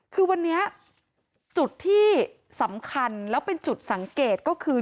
คือวันนี้จุดที่สำคัญแล้วเป็นจุดสังเกตก็คือ